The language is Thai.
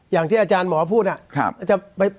อย่างที่อาจารย์หมอพูด